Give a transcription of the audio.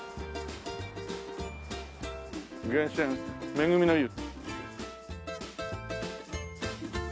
源泉めぐみの湯。